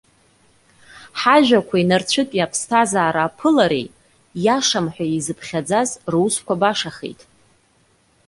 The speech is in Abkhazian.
Ҳажәақәеи нарцәытәи аԥсҭазаара аԥылареи, иашам ҳәа изыԥхьаӡаз русқәа башахеит.